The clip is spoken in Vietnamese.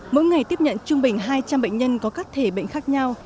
mỗi ngày tiếp nhận trung bình hai trăm linh bệnh nhân có các thể bệnh khác nhau